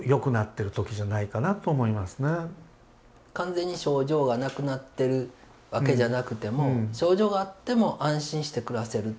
完全に症状がなくなってるわけじゃなくても症状があっても安心して暮らせる。